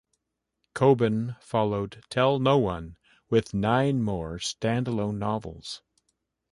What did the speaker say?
Coben followed "Tell No One" with nine more stand-alone novels.